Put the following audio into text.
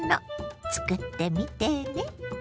つくってみてね。